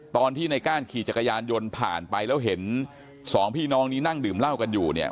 ตอนที่ในก้านขี่จักรยานยนต์ผ่านไปแล้วเห็นสองพี่น้องนี้นั่งดื่มเหล้ากันอยู่เนี่ย